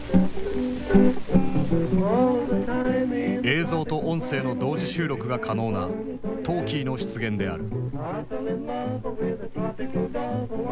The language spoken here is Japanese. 映像と音声の同時収録が可能なトーキーの出現である。